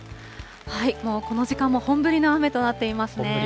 この時間も本降りの雨となっていますね。